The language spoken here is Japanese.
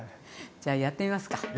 じゃあやってみますか！